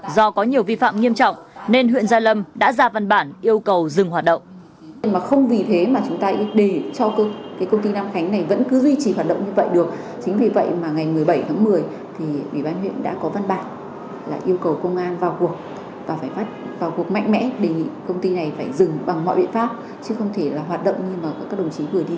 do có nhiều vi phạm nghiêm trọng nên huyện gia lâm đã ra văn bản yêu cầu dừng hoạt động